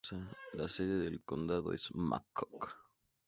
La sede del condado es McCook.